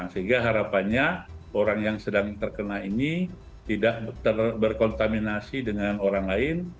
sehingga harapannya orang yang sedang terkena ini tidak berkontaminasi dengan orang lain